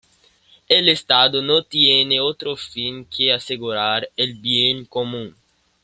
El Estado no tiene otro fin que asegurar el bien común.